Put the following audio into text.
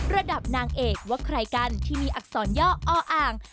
ระดับนางเอกว่าใครกันที่มีอักษรย่ออ่าง